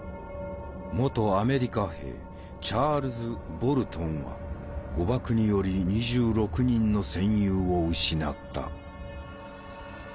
元アメリカ兵チャールズ・ボルトンは誤爆により２６人の戦友を失った。